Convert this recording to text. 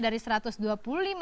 dari satu ratus dua puluh lima